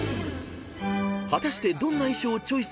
［果たしてどんな衣装をチョイスするのか］